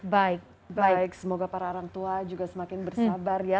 baik baik semoga para orang tua juga semakin bersabar ya